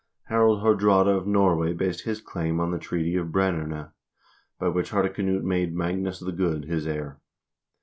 Harald Haardraade of Norway based his claim on the treaty of Brenn0erne by which Hardeknut made Magnus the Good his heir.